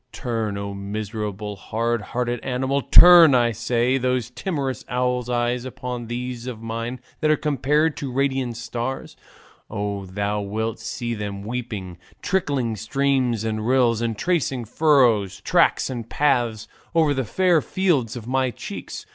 Turn, O miserable, hard hearted animal, turn, I say, those timorous owl's eyes upon these of mine that are compared to radiant stars, and thou wilt see them weeping trickling streams and rills, and tracing furrows, tracks, and paths over the fair fields of my cheeks.